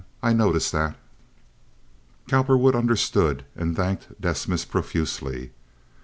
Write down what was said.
I notice that." Cowperwood understood and thanked Desmas profusely.